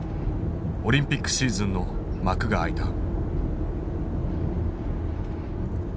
オリンピックシーズンの幕が開いた。